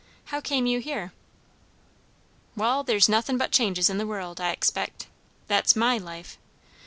How came you here?" "Wall, there's nothin' but changes in the world, I expect; that's my life.